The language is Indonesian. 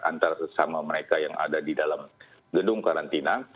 antara sesama mereka yang ada di dalam gedung karantina